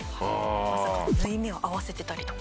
まさかの縫い目を合わせていたりとか。